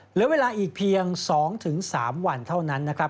เหลือเวลาอีกเพียง๒๓วันเท่านั้นนะครับ